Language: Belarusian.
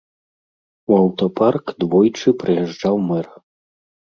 У аўтапарк двойчы прыязджаў мэр.